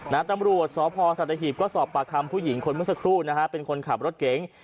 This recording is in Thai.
ตำรวจสพสัตหีบก็สอบปากคำผู้หญิงคนเมื่อสักครู่นะฮะเป็นคนขับรถเก๋ง